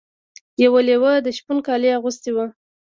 یو لیوه د شپون کالي اغوستي وو.